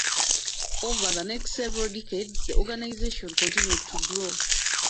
Over the next several decades the organization continued to grow.